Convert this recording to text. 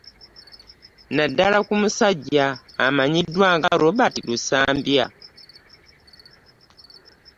Naddala ku musajja amanyiddwa nga Robert Lusambya